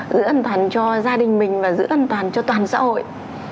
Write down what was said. giữ an toàn cho gia đình mình và giữ an toàn cho toàn xã hội